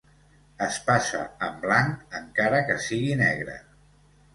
Es passa en blanc encara que sigui negra.